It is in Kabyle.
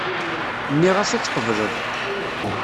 Nniɣ-as ad tqebleḍ.